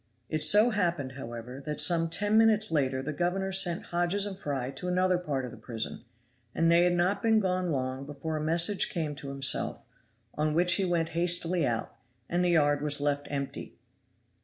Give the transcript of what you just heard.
It so happened, however, that some ten minutes later the governor sent Hodges and Fry to another part of the prison, and they had not been gone long before a message came to himself, on which he went hastily out, and the yard was left empty.